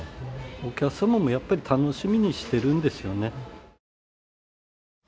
お客様もやっぱり楽しみにしてるんですよね。